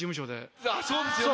そうですよね。